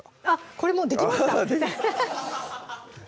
これもうできましたよ